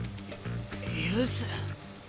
ユユース？